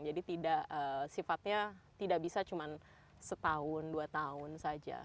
jadi sifatnya tidak bisa cuma setahun dua tahun saja